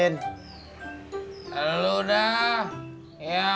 bagaimana suatu anaknya